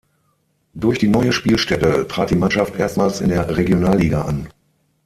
Durch die neue Spielstätte trat die Mannschaft erstmals in der Regionalliga an.